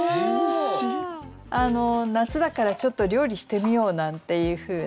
夏だからちょっと料理してみようなんていうふうな